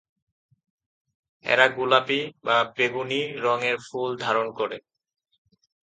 এরা গোলাপি বা বেগুনি রঙের ফুল ধারণ করে।